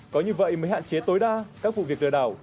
có như vậy mới hạn chế tối đa các vụ việc lừa đảo